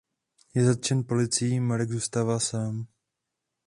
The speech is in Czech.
Je zatčen policií a Marek zůstává sám.